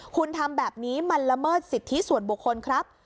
คุณทำแบบนี้มันละเมิดสิทธิส่วนบุคคลครับ